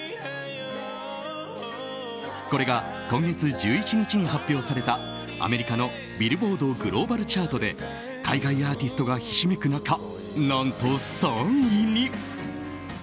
これが、今月１１日に発表されたアメリカのビルボードグローバルチャートで海外アーティストがひしめく中何と、３位に。